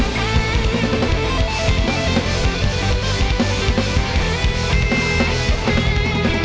โปรดติดตามต่อไป